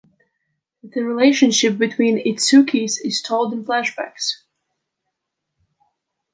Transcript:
The relationship between the Itsuki-s is told in flashbacks.